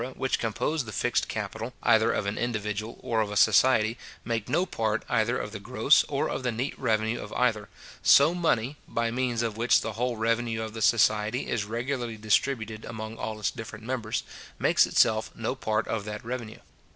which compose the fixed capital either of an individual or of a society, make no part either of the gross or of the neat revenue of either; so money, by means of which the whole revenue of the society is regularly distributed among all its different members, makes itself no part of that revenue.